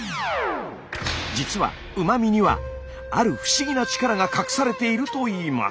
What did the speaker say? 実はうま味にはある不思議な力が隠されているといいます。